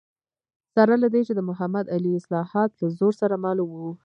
سره له دې چې د محمد علي اصلاحات له زور سره مل و.